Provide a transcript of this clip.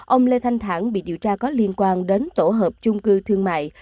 ông lê thanh thản bị điều tra có liên quan đến tổ hợp chung cư thương mại